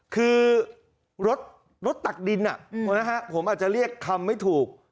คือรถตักดินผมอาจจะเรียกคำไม่ถูก